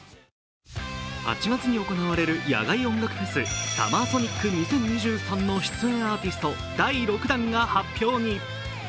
８月に行われる野外音楽フェス、ＳＵＭＭＥＲＳＯＮＩＣ２０２３の出演アーティスト第６弾が発表に。